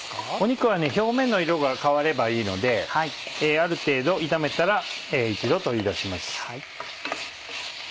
肉は表面の色が変わればいいのである程度炒めたら一度取り出します。